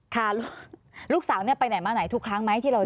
ค่ะลูกสาวเนี่ยไปไหนมาไหนทุกครั้งไหมที่เรา